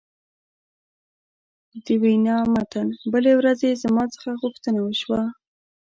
د وینا متن: بلې ورځې زما څخه غوښتنه وشوه.